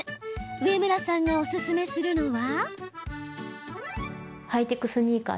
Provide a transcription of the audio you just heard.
植村さんがおすすめするのは。